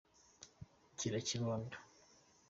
Kira kibondo.